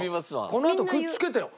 このあとくっつけてよ。